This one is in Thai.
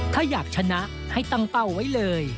ถ้าอยากชนะให้ตั้งเป้าไว้เลย